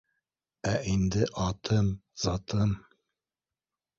Ә инде атым-затым